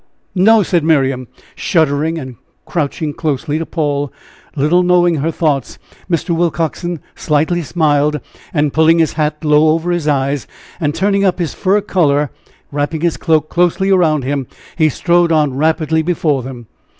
no!" said Miriam, shuddering and crouching closely to Paul. Little knowing her thoughts, Mr. Willcoxen slightly smiled, and pulling his hat low over his eyes, and turning up his fur collar and wrapping his cloak closely around him, he strode on rapidly before them.